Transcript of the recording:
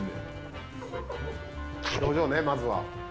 表情ね、まずは。